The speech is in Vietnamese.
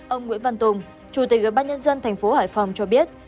ông nguyễn văn tùng chủ tịch ủy ban nhân dân tp hải phòng cho biết